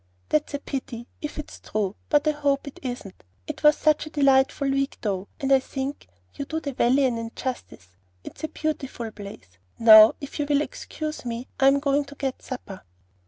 "That's a pity, if it's true, but I hope it isn't. It was a delightful week, though; and I think you do the valley an injustice. It's a beautiful place. Now, if you will excuse me, I am going to get supper."